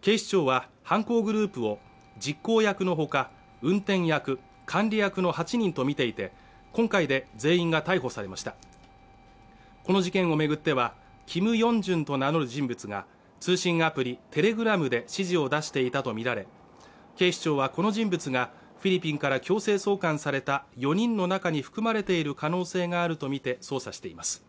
警視庁は犯行グループを実行役のほか運転役、管理役の８人と見ていて今回で全員が逮捕されましたこの事件をめぐってはＫｉｍＹｏｕｎｇ−ｊｕｎと名乗る人物が通信アプリＴｅｌｅｇｒａｍで指示を出していたとみられ警視庁はこの人物がフィリピンから強制送還された４人の中に含まれている可能性があるとみて捜査しています